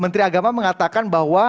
menteri agama mengatakan bahwa